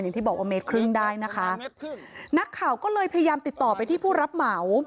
อย่างที่บอกว่าเมตรครึ่งได้นะคะนักข่าวก็เลยพยายามติดต่อไปที่ผู้รับเหมา